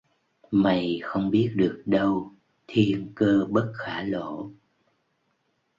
Mày không biết được đâu thiên cơ bất khả lộ